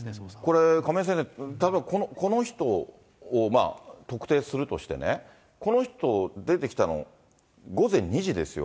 これ、亀井先生、例えばこの人を特定するとしてね、この人、出てきたの午前２時ですよ。